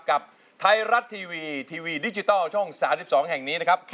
กับไทยรัฐทีวีทีวีดิจิทัลช่อง๓๒แห่งนี้นะครับ